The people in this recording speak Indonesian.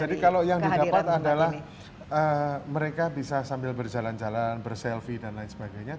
jadi kalau yang didapat adalah mereka bisa sambil berjalan jalan berselfie dan lain sebagainya